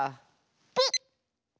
ピッ！